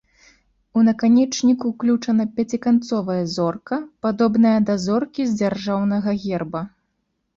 У наканечнік уключана пяціканцовая зорка, падобная да зоркі з дзяржаўнага герба.